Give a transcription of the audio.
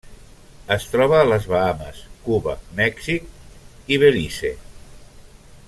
Es troba a les Bahames, Cuba, Mèxic i Belize.